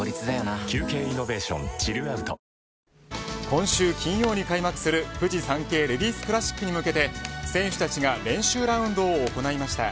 今週金曜日に開幕するフジサンケイレディスクラシックに向けて選手たちが練習ラウンドを行いました。